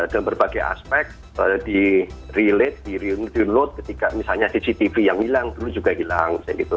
dan berbagai aspek di relate di reload ketika misalnya cctv yang hilang dulu juga hilang